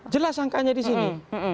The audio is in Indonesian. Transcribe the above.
jelas angkanya di sini